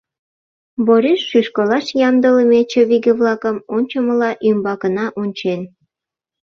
Бориш шӱшкылаш ямдылыме чывиге-влакым ончымыла ӱмбакына ончен.